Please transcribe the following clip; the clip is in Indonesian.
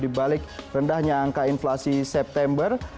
di balik rendahnya angka inflasi september